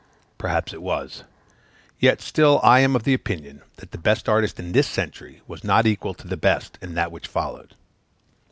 Perhaps it was; yet, still I am of opinion that the best artist in this century was not equal to the best in that which followed.